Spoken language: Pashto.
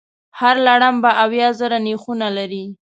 هر لړم به اویا زره نېښونه لري.